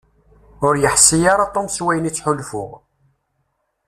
Ur yeḥsi ara Tom s wayen i ttḥulfuɣ.